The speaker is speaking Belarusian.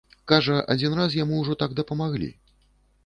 Кажа, адзін раз яму ўжо так дапамаглі.